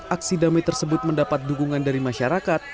aksi damai tersebut mendapat dukungan dari masyarakat